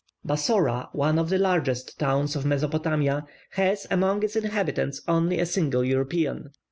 Bassora, one of the largest towns of Mesopotamia, has among its inhabitants only a single European.